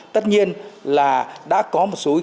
tất nhiên là đã có một số ý kiến